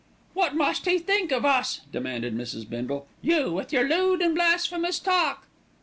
"What must he think of us?" demanded Mrs. Bindle. "You with your lewd and blasphemous talk."